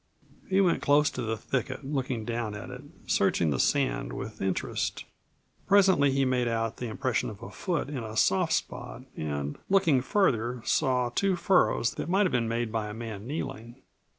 He went close to the thicket, looking down at it, searching the sand with interest. Presently he made out the impression of a foot in a soft spot and, looking further, saw two furrows that might have been made by a man kneeling.